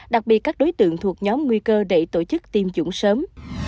đặc biệt các đối tượng thuộc nhóm nguy cơ để tổ chức tiêm chủng sớm